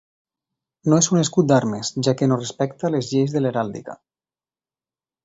No és un escut d'armes, ja que no respecta les lleis de l'heràldica.